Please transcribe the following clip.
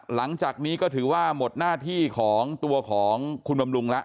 หลังจากนี้ก็ถือว่าหมดหน้าที่ของตัวของคุณบำรุงแล้ว